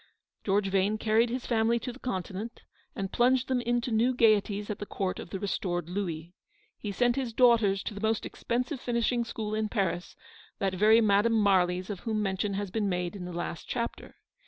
George Vane carried his family to the Continent, and plunged them into new gaieties at the court of the restored Louis. He sent his daughters to the most expensive finishing school in Paris, that very Madame Marly's of whom mention has been made in the last chapter.